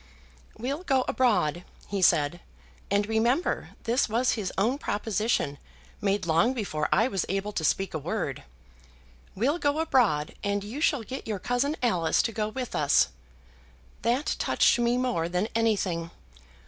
'We'll go abroad,' he said, and remember, this was his own proposition, made long before I was able to speak a word; 'We'll go abroad, and you shall get your cousin Alice to go with us.' That touched me more than anything.